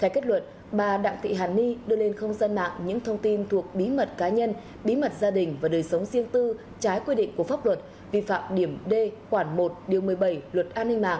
trong kết luận bà đặng thị hàn ni đưa lên không gian mạng những thông tin thuộc bí mật cá nhân bí mật gia đình và đời sống riêng tư trái quy định của pháp luật vi phạm điểm d khoản một điều một mươi bảy luật an ninh mạng